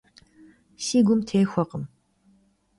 Si gum têxuekhım.